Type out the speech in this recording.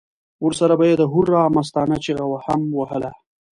ورسره به یې د هورا مستانه چیغه هم وهله.